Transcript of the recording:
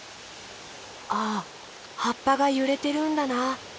あはっぱがゆれてるんだな。